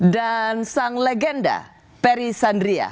dan sang legenda perry sandria